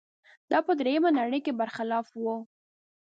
دا په درېیمې نړۍ کې برخلاف و.